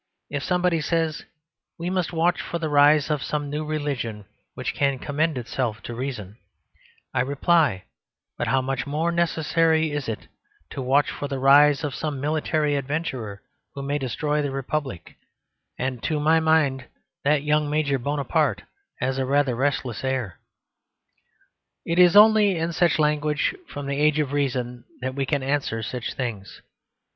If somebody says, "We must watch for the rise of some new religion which can commend itself to reason," I reply, "But how much more necessary is it to watch for the rise of some military adventurer who may destroy the Republic: and, to my mind, that young Major Bonaparte has rather a restless air." It is only in such language from the Age of Reason that we can answer such things.